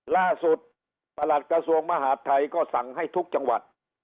ประหลัดกระทรวงมหาดไทยก็สั่งให้ทุกจังหวัด